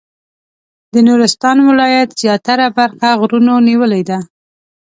د نورستان ولایت زیاتره برخه غرونو نیولې ده.